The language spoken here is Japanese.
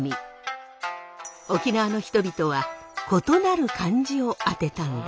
沖縄の人々は異なる漢字をあてたのです。